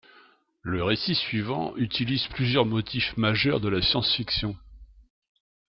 Le récit suivant utilise plusieurs motifs majeurs de la science-fiction.